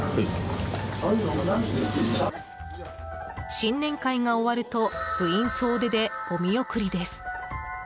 新年会が終わると部員総出でお見送りです。